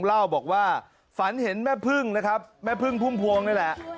เล่าบอกว่าฝันเห็นแม่พึ่งนะครับแม่พึ่งพุ่มพวงนี่แหละ